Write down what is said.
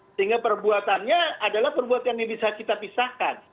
sehingga perbuatannya adalah perbuatan yang bisa kita pisahkan